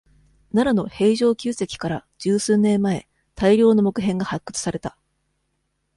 奈良の平城宮跡から、十数年前、大量の木片が、発掘された。